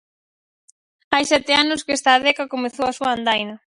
Hai sete anos que esta adega comezou a súa andaina.